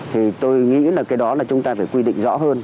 thì tôi nghĩ là cái đó là chúng ta phải quy định rõ hơn